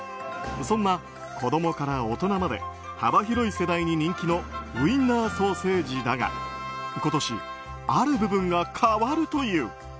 そんな子供から大人まで幅広い世代に人気のウインナーソーセージだが今年、ある部分が変わるという。